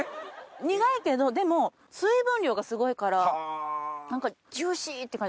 苦いけどでも水分量がすごいから何かジューシーって感じです。